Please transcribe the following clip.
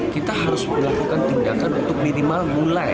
kita harus melakukan tindakan untuk minimal mulai